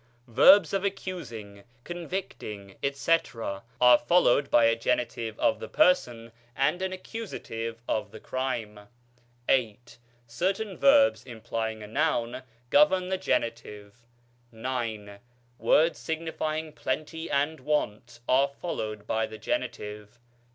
Verbs of accusing, convicting, efc., are followed by a genitive of the person and an accusative of the crime. VIII. Certain verbs implying a noun govern the genitive. IX. Words signifying plenty and want are followed by the genitive.